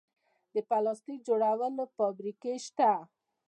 د پلاستیک جوړولو فابریکې شته